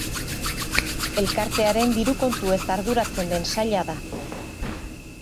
Elkartearen diru kontuez arduratzen den saila da.